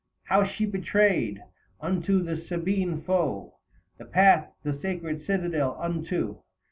How she betrayed, unto the Sabine foe, The path the sacred citadel unto.